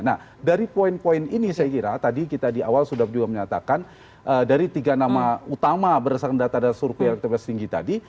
nah dari poin poin ini saya kira tadi kita di awal sudah juga menyatakan dari tiga nama utama berdasarkan data data survei elektabilitas tinggi tadi